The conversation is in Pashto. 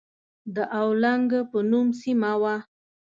د اولنګ په نوم سيمه وه.